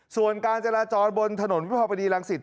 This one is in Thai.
ส่วนการจราจรบนถนนพิพพฤดีรังศิษย์